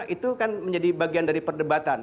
itu kan menjadi bagian dari perdebatan